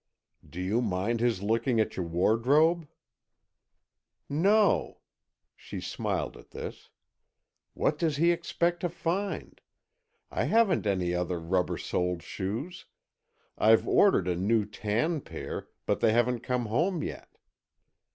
"Do you mind his looking at your wardrobe?" "No," she smiled at this. "What does he expect to find? I haven't any other rubber soled shoes. I've ordered a new tan pair, but they haven't come home yet."